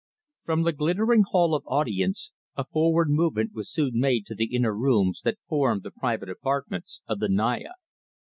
FROM the glittering Hall of Audience a forward movement was soon made to the inner rooms that formed the private apartments of the Naya.